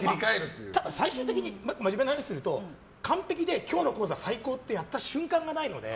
ただ、最終的に完璧で今日の高座、最高ってやった瞬間がないので。